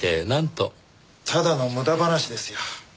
ただの無駄話ですよ。